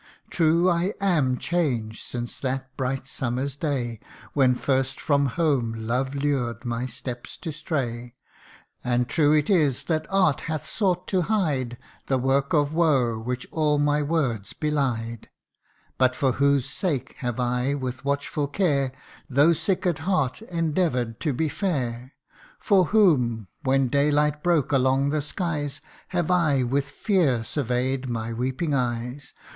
True, I am changed since that bright summer's day, When first from home love lured my steps to stray : And true it is that art hath sought to hide O The work of woe which all my words belied ; But for whose sake have I with watchful care, Though sick at heart, endeavour'd to be fair ? For whom, when daylight broke along the skies, Have I with fear survey 'd my weeping eyes